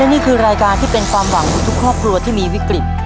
นี่คือรายการที่เป็นความหวังของทุกครอบครัวที่มีวิกฤต